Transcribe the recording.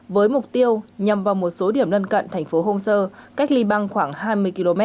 với mục tiêu nhằm vào một số điểm lân cận thành phố homser cách libang khoảng hai mươi km